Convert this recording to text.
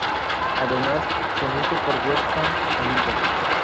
Además, Se emite por webcam en vivo.